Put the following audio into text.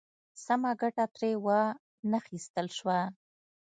سمه ګټه ترې وا نخیستل شوه.